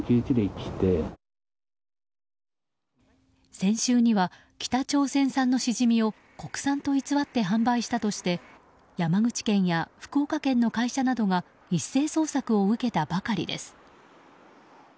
先週には、北朝鮮産のシジミを国産と偽って販売したとして山口県や福岡県の会社などが一斉捜索を受けたばかりです。